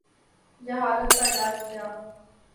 جہالت کا علاج کیا؟